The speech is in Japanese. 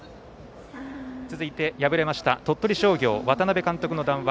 続いて、敗れました鳥取商業の渡辺監督の談話